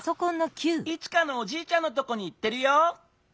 イチカのおじいちゃんのとこにいってるよ。